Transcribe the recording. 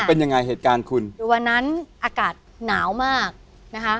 เป็นยังไงเหตุการณ์คุณคือวันนั้นอากาศหนาวมากนะคะ